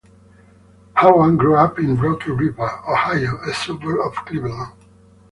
Hovan grew up in Rocky River, Ohio, a suburb of Cleveland.